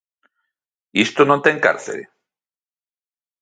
¿Isto non ten cárcere?